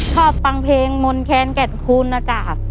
ชอบฟังเพลงมนต์แคนแก่นคูณนะจ๊ะ